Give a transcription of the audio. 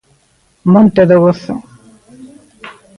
Monte do Gozo.